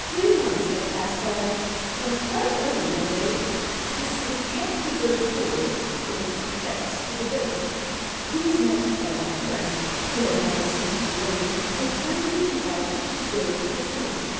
Three months had passed by when quite early one day This intractable Boer made tracks to the Bay. He was met by our friend, who had now ceased to roam, And kindly invited to go with him home.